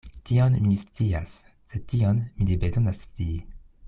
Tion mi ne scias; sed tion ni ne bezonas scii.